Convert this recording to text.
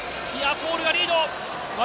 ポールがリード。